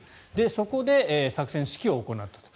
そこで作戦指揮を行ったと。